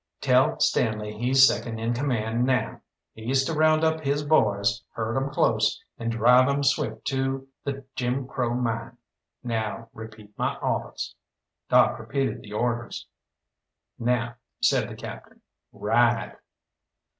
Tell Stanley he's second in command now. He's to round up his boys, herd 'em close, and drive 'em swift to the Jim Crow Mine. Now repeat my awdehs." Doc repeated the orders. "Now," said the Captain, "ride!"